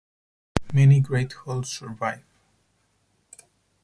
Many great halls survive.